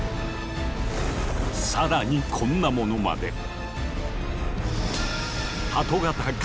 更にこんなものまで。